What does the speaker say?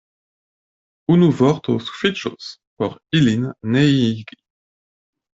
Unu vorto sufiĉus por ilin neniigi.